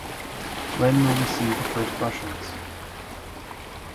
When will we see the first Russians?